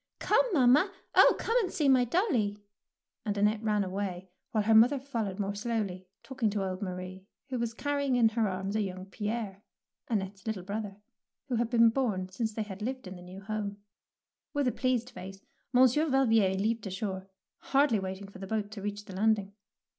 "Come, mamma, oh, come and see my dolly and Annette ran away, while her mother followed more slowly, talk ing to old Marie, who was carrying in her arms a young Pierre, Annette^ s little brother, who had been bom since they had lived in the new home. 171 DEEDS OF DARING With a pleased face Monsieur Val vier leaped ashore, hardly waiting for the boat to reach the landing.